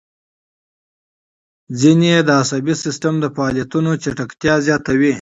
ځینې یې د عصبي سیستم د فعالیتونو چټکتیا زیاتوي.